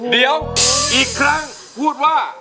เดี๋ยวอีกครั้งพูดว่า